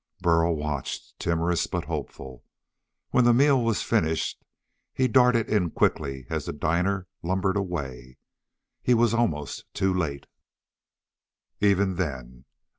Burl watched, timorous but hopeful. When the meal was finished, he darted in quickly as the diner lumbered away. He was almost too late, even then.